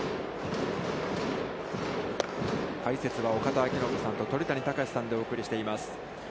解説は、岡田彰布さんと鳥谷敬さんでお送りしています。